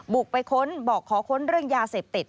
บุกไปค้นบอกขอค้นเรื่องยาเสพติด